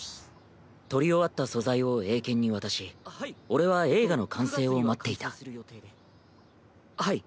撮り終わった素材を映研に渡し俺は映画の完成を待っていたはい。